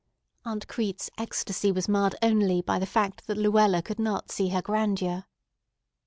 Aunt Crete's ecstasy was marred only by the fact that Luella could not see her grandeur.